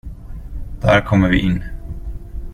Där kommer vi in.